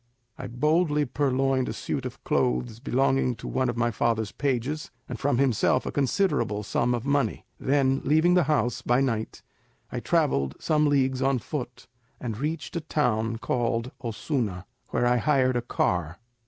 I boldly purloined a suit of clothes belonging to one of my father's pages, and from himself a considerable sum of money; then leaving the house by night I travelled some leagues on foot, and reached a town called Osuna, where I hired a car.